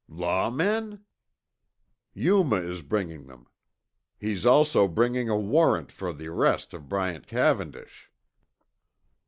"Law men?" "Yuma is bringing them. He's also bringing a warrant for the arrest of Bryant Cavendish."